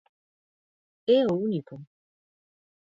¡É o único!